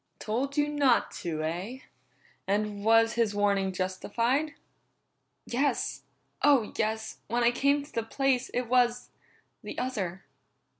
"Told you not to, eh? And was his warning justified?" "Yes. Oh, yes! When I came to the place, it was the other."